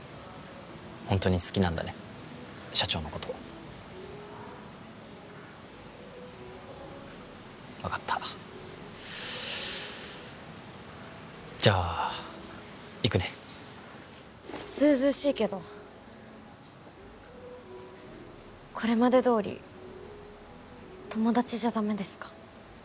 ホントに好きなんだね社長のこと分かったじゃあ行くねずうずうしいけどこれまでどおり友達じゃダメですか？